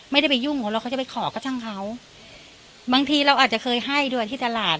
ไม่ได้ไปยุ่งของเราเขาจะไปขอกระทั่งเขาบางทีเราอาจจะเคยให้ด้วยที่ตลาด